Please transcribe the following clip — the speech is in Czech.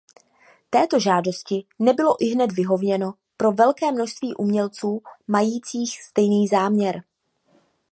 Této žádosti nebylo ihned vyhověno pro velké množství umělců majících stejný záměr.